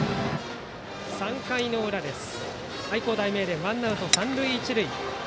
３回裏、愛工大名電ワンアウト三塁一塁。